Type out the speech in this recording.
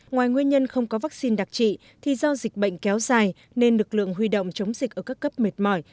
ngoài nguyên nhân không có vaccine đặc trị thì do dịch bệnh kéo dài nên lực lượng huy động chống dịch ở các cấp mệt mỏi